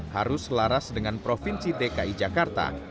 harus selaras dengan provinsi dki jakarta